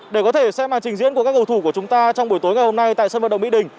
để có thể xem màn trình diễn của các cầu thủ của chúng ta trong buổi tối ngày hôm nay tại sân vận động mỹ đình